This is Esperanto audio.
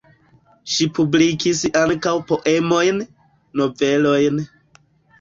Ŝi publikis ankaŭ poemojn, novelojn.